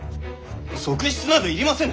側室など要りませぬ。